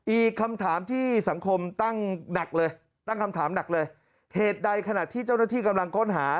อีกคำถามที่สังคมตั้งหนักเลยตั้งคำถามหนักเลยเหตุใดขณะที่เจ้าหน้าที่กำลังค้นหา